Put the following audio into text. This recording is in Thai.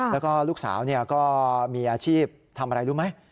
แล้วก็ลูกสาวก็มีอาชีพทำอะไรรู้ไหม